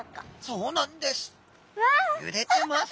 そうなんです。